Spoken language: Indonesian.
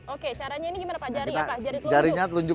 oke caranya ini gimana pak jari apa jari telunjuk